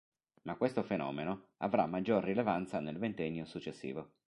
Ma questo fenomeno avrà maggior rilevanza nel ventennio successivo.